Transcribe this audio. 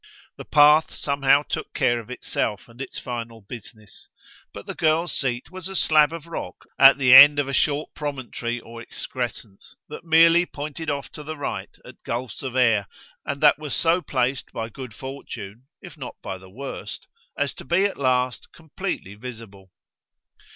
The path somehow took care of itself and its final business, but the girl's seat was a slab of rock at the end of a short promontory or excrescence that merely pointed off to the right at gulfs of air and that was so placed by good fortune, if not by the worst, as to be at last completely visible.